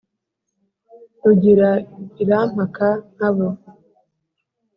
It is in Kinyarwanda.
rugira irampaka nka bo.